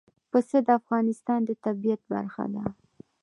پسه د افغانستان د طبیعت برخه ده.